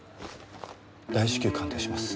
大至急鑑定します。